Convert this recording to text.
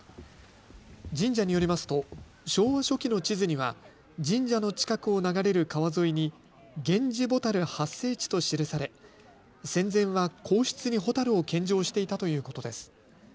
神社によりますと昭和初期の地図には神社の近くを流れる川沿いに源氏蛍発生地と記され戦前は皇室にホタルを献上していたということです。